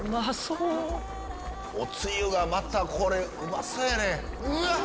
おつゆがまたうまそうやね！